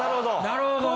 なるほど！